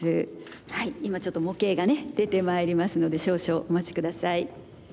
はい今ちょっと模型がね出てまいりますので少々お待ち下さい。